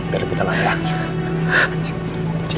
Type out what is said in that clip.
biar lebih telanjang